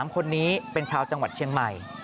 ๓คนนี้เป็นชาวจังหวัดเชียงใหม่